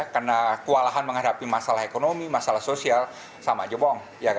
karena kualahan menghadapi masalah ekonomi masalah sosial sama aja bohong